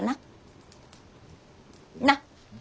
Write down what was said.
なっ！